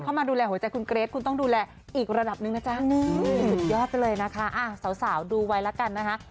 พบคืนพบคืนค่ะพบคืนค่ะ